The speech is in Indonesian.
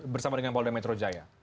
bersama dengan polda metro jaya